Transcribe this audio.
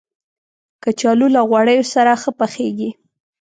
کچالو له غوړیو سره ښه پخیږي